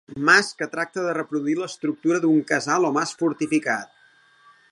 Mas que tracta de reproduir l'estructura d'un casal o mas fortificat.